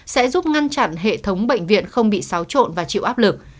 sẽ giúp ngăn chặn hệ thống bệnh viện không bị xáo trộn và chịu áp lực